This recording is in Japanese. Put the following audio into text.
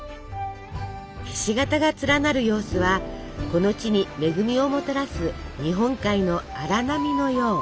ひし形が連なる様子はこの地に恵みをもたらす日本海の荒波のよう。